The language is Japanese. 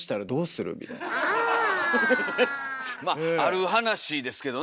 まあある話ですけどね